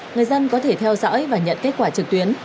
người dân có thể theo dõi và nhận kết quả trực tuyến